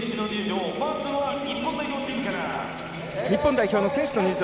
日本代表の選手の入場。